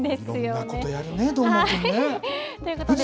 いろんなことやるね、どーもくんね。ということで。